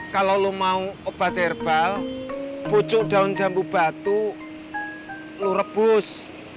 kalau lo mau obat herbal bucuk daun jambu batu lo rebus